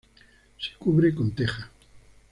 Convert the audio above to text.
Se cubre con teja.